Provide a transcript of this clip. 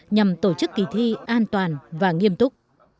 nhằm tổ chức kỳ thi an toàn và nghiêm túc